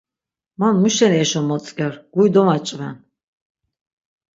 Man muşeni eşo motzk̆er, guri domaç̆ven.